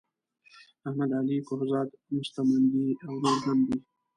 احمد علی کهزاد مستمندي او نور هم دي.